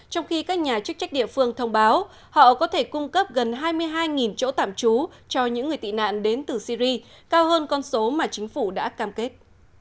trong khi các nhà chức trách địa phương thông báo họ có thể cung cấp gần hai mươi hai chỗ tạm trú cho những người tị nạn đến từ syri cao hơn con số mà chính phủ đã cam kết